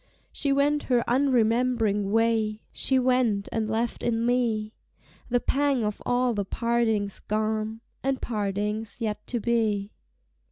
She went her unremembering way, She went and left in me The pang of all the partings gone, And partings yet to be.